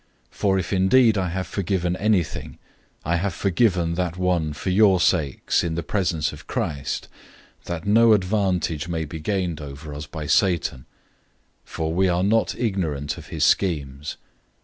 For if indeed I have forgiven anything, I have forgiven that one for your sakes in the presence of Christ, 002:011 that no advantage may be gained over us by Satan; for we are not ignorant of his schemes.